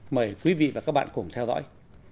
mời quý vị và các bạn cùng theo dõi